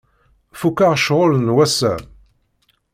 Fukeɣ ccɣel n wass-a.